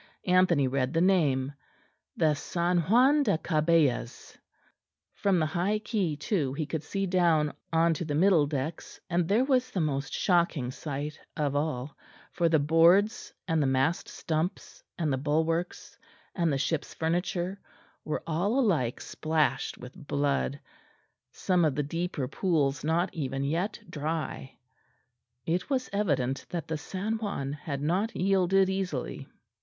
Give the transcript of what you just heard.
Anthony read the name, the San Juan da Cabellas. From the high quay too he could see down on to the middle decks, and there was the most shocking sight of all, for the boards and the mast stumps and the bulwarks and the ship's furniture were all alike splashed with blood, some of the deeper pools not even yet dry. It was evident that the San Juan had not yielded easily.